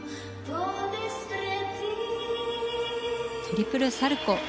トリプルサルコウ。